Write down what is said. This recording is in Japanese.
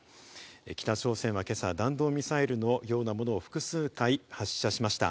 北朝鮮は今朝、弾道ミサイルのようなものを複数回発射しました。